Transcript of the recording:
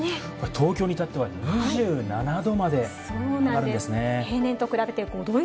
東京に至っては、２７度まで上がるんですね。